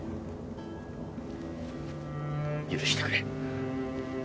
許してくれ。